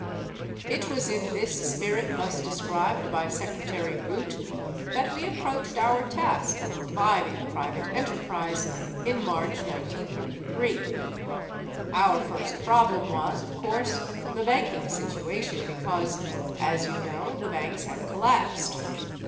It was in this spirit thus described by Secretary Root that we approached our task of reviving private enterprise in March, 1933. Our first problem was, of course, the banking situation because, as you know, the banks had collapsed.